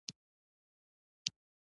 هرې نجلۍ د خپل راتلونکي انځور کاږه